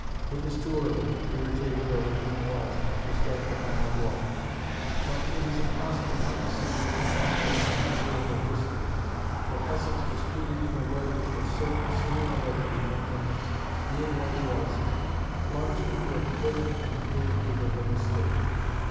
It was too early, irritated though the Queen was, to strike the final blow. But it is impossible not to see, looking back over the miserable history, that Essex was treated in a way which was certain, sooner or later, to make him, being what he was, plunge into a fatal and irretrievable mistake.